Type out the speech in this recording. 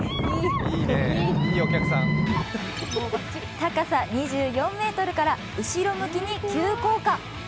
高さ２４ｍから後ろ向きに急降下。